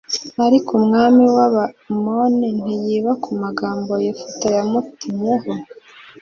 ariko umwami w abamoni ntiyita ku magambo yefuta yamutumyeho